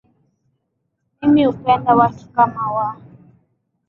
Mimi hupenda watu kama wao